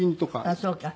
ああそうか。